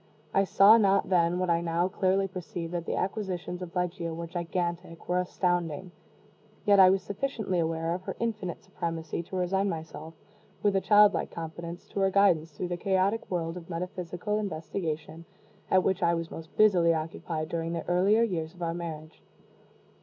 I saw not then what I now clearly perceive that the acquisitions of Ligeia were gigantic, were astounding; yet I was sufficiently aware of her infinite supremacy to resign myself, with a child like confidence, to her guidance through the chaotic world of metaphysical investigation at which I was most busily occupied during the earlier years of our marriage.